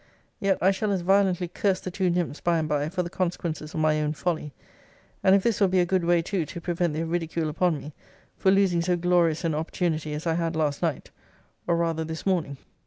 Yet I shall as violently curse the two nymphs, by and by, for the consequences of my own folly: and if this will be a good way too to prevent their ridicule upon me, for losing so glorious an opportunity as I had last night, or rather this morning.